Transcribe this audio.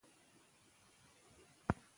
ځان بوخت وساتئ.